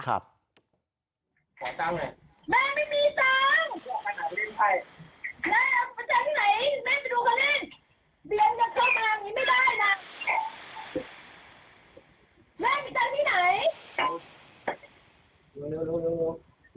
ขอตังค์หน่อย